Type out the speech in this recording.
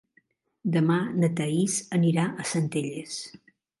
Demà na Thaís anirà a Centelles.